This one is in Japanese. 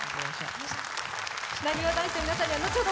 なにわ男子の皆さんには後ほど